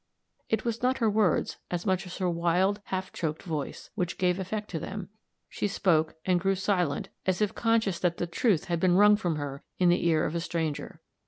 It was not her words, as much as her wild, half choked voice, which gave effect to them; she spoke, and grew silent, as if conscious that the truth had been wrung from her in the ear of a stranger.